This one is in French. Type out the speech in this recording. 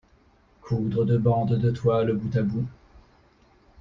Coudre deux bandes de toile bout à bout.